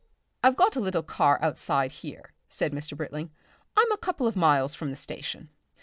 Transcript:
"I've got a little car outside here," said Mr. Britling. "I'm a couple of miles from the station."